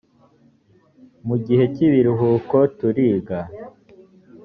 mu gihe cy ibiruhuko turiga